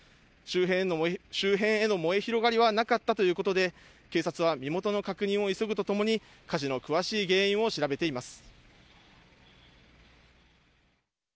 周辺への燃え広がりはなかったということで、警察は身元の確認を急ぐとともに、火事の詳しい原因を調べています。